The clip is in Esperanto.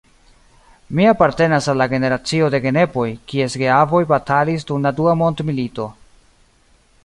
Mi apartenas al la generacio de genepoj, kies geavoj batalis dum la dua mondmilito.